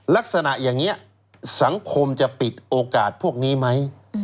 ลักษณะอย่างนี้สังคมจะปิดโอกาสพวกนี้ไหม